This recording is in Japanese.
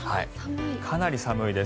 かなり寒いです。